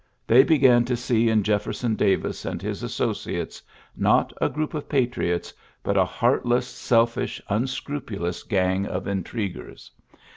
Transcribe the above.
They began to see Ln Jefferson Davis and his associates, not » group of patriots, but a heartless, self isht unscrupulous gang of Intriguers.